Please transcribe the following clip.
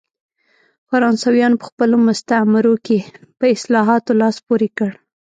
فرانسویانو په خپلو مستعمرو کې په اصلاحاتو لاس پورې کړ.